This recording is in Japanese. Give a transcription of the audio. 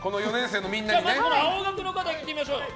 まずは青学の方いってみましょう。